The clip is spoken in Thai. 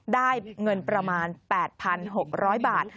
ได้เงินประมาณ๘๖๐๐บาท